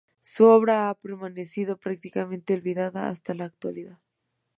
Su obra ha permanecido prácticamente olvidada hasta la actualidad.